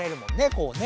こうね